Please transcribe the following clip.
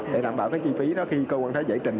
để đảm bảo cái chi phí đó khi cơ quan thuế giải trình